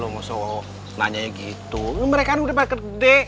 lo mau nanya gitu mereka kan udah besar